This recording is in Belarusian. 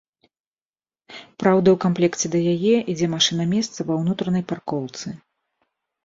Праўда, у камплекце да яе ідзе машына-месца ва ўнутранай паркоўцы.